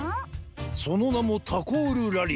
そのなもタコールラリー。